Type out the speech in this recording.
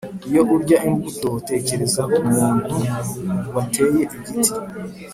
iyo urya imbuto tekereza ku muntu wateye igiti.